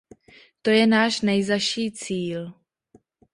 To je náš nejzazší cíl.